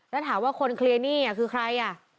แล้วถามว่าคนเคลียร์หนี้คือใครอ่ะ